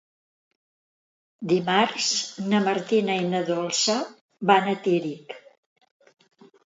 Dimarts na Martina i na Dolça van a Tírig.